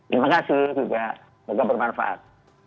terima kasih juga semoga bermanfaat